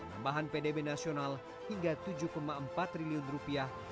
tambahan pdb nasional hingga tujuh empat triliun rupiah